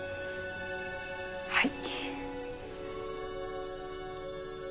はい。